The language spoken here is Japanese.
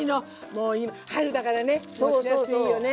もう春だからねしらすいいよね。